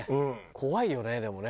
怖いよねでもね。